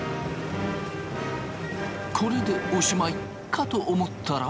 これでおしまいかと思ったら？